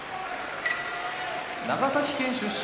長崎県出身